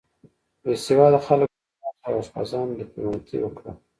بې سواده خلک وزیران شول او اشپزانو دیپلوماتۍ وکړه.